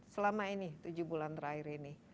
selama ini tujuh bulan terakhir ini